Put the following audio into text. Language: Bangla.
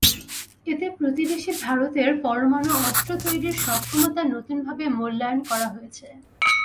এতে প্রতিবেশী ভারতের পরমাণু অস্ত্র তৈরির সক্ষমতা নতুনভাবে মূল্যায়ন করা হয়েছে।